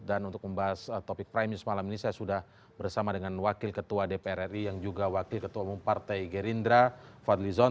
dan untuk membahas topik priming semalam ini saya sudah bersama dengan wakil ketua dpr ri yang juga wakil ketua umum partai gerindra fadli zon